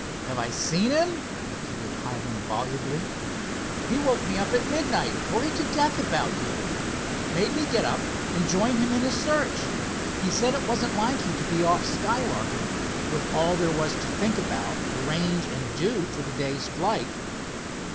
"Have I seen him?" repeated Hiram volubly. "He woke me up at midnight, worried to death about you. Made me get up and join him in a search. He said it wasn't like you to be off skylarking, with all there was to think about, arrange and do for today's flight."